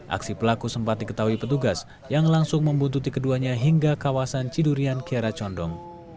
aksi pelaku sempat diketahui petugas yang langsung membuntuti keduanya hingga kawasan cidurian kiara condong